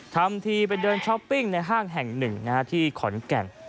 ทำทีไปเดินช้อปปิ้งในห้างแห่งหนึ่งที่ขอนแก่น